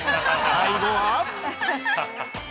最後は？